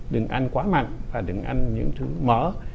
đừng ăn quá mặn và đừng ăn những thứ mỡ